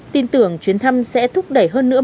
tin tưởng chuyến thăm sẽ thúc đẩy hơn nữa